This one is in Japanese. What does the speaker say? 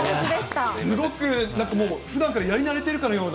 すごくなんかもう、ふだんからやり慣れているかのような。